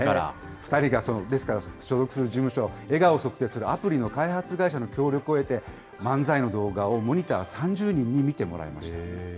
２人が所属する事務所が笑顔を測定するアプリの開発会社の協力を得て、漫才の動画をモニター３０人に見てもらいました。